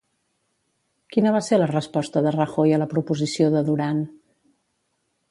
Quina va ser la resposta de Rajoy a la proposició de Duran?